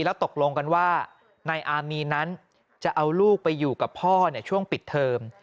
แล้วตกลงกันว่านายอามีนนั้นจะเอาลูกไปอยู่กับพ่อในช่วงปิดเทอม